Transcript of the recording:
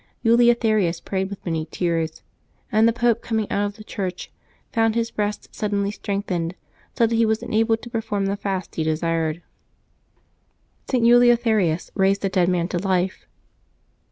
Eleutherius prayed with many tears, and the Pope, coming out of the church, found his breast suddenly strengthened, so that he was enabled to perform the fast as he desired. St. Eleutherius raised a dead man to life.